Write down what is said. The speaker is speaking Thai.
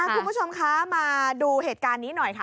คุณผู้ชมคะมาดูเหตุการณ์นี้หน่อยค่ะ